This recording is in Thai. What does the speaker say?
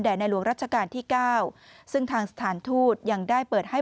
ในหลวงรัชกาลที่เก้าซึ่งทางสถานทูตยังได้เปิดให้